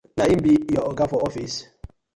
No bi him bi yu oga for office?